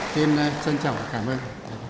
xin chào và cảm ơn